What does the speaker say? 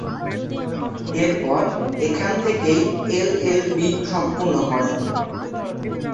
এরপর এখান থেকেই এলএলবি সম্পন্ন করেন।